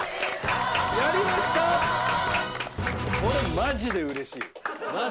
マジでうれしい。